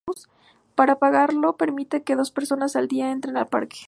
Para pagarlo permite que dos personas al día entren al parque.